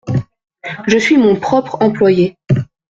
Je suis mon propre employé.